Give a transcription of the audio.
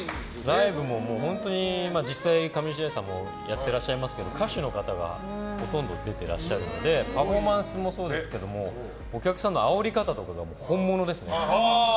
ライブももう実際、上白石さんもやっていらっしゃいますけど歌手の方がほとんど出てらっしゃるのでパフォーマンスもそうですけどお客さんのあおり方とかが本物ですね。